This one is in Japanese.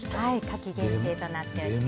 夏季限定となっております。